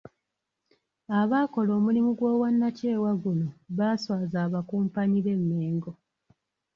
Abaakola omulimo gw’obwannakyewa guno baaswaaza abakumpanyi b'e Mengo.